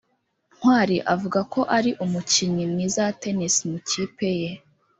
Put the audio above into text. ntwali avuga ko ari umukinnyi mwiza wa tennis mu ikipe ye